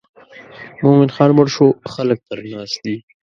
مومن خان مړ شو خلک پر ناست دي.